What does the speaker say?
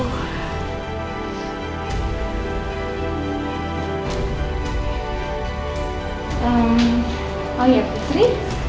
oh iya putri